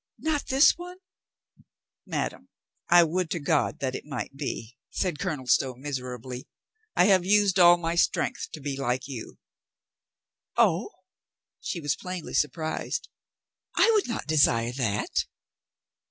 "Not this one?" "Madame, I would to God that it might be!" said Colonel Stow miserably. "I have used all my strength to be like you," "Oh !" She was plainly surprised. "I would not desire that."